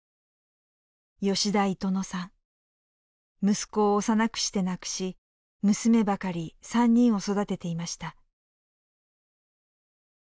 息子を幼くして亡くし娘ばかり３人を育てていました。